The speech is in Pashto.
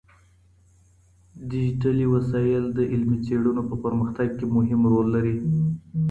ډيجيټلي وسايل د علمي څېړنو په پرمختګ کې مهم رول لري.